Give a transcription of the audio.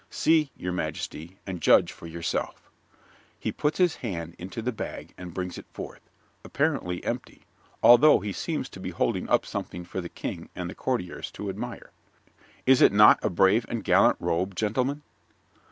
See, your majesty, and judge for yourself. (_He puts his hand into the bag and brings it forth, apparently empty, although he seems to be holding up something for the King and the courtiers to admire._) Is it not a brave and gallant robe, gentlemen?